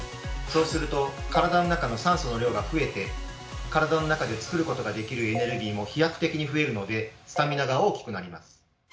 そうすると体の中の酸素の量が増えて体の中で作ることができるエネルギーも飛躍的に増えるのでスタミナが大きくなります。